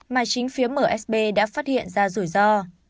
mà chính phía msb đã phát hiện ra rủi ro